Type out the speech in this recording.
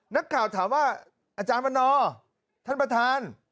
นักข่าวถามว่าอาจารย์วันนอร์ท่านประธาน